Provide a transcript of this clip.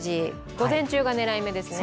午前中が狙い目ですね。